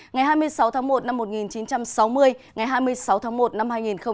ngày hai mươi sáu tháng một năm một nghìn chín trăm sáu mươi ngày hai mươi sáu tháng một năm hai nghìn hai mươi